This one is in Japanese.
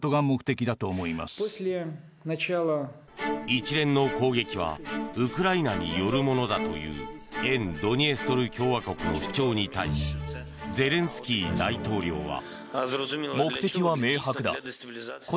一連の攻撃はウクライナによるものだという沿ドニエストル共和国の主張に対しゼレンスキー大統領は。